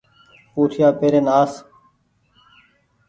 پوٺيآ پيرين آس